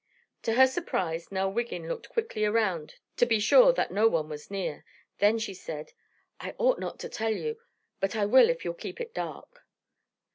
To her surprise, Nell Wiggin looked quickly around to be sure that no one was near, then she said: "I'd ought not to tell you, but I will if you'll keep it dark."